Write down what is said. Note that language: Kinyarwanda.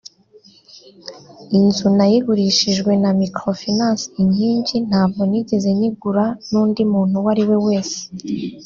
Inzu nayigurishijwe na Microfinance Inkingi ntabwo nigeze nyigura n’undi muntu uwo ari we wese